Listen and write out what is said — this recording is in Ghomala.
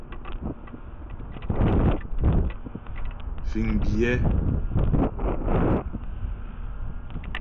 Fíŋ biyɛ́.